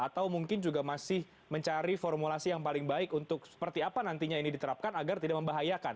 atau mungkin juga masih mencari formulasi yang paling baik untuk seperti apa nantinya ini diterapkan agar tidak membahayakan